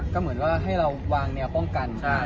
ก็เหมือนว่าให้เราวางแนวป้องกัน